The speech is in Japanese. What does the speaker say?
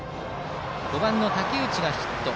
５番の武内がヒット。